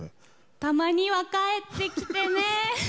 たまには帰ってきてね！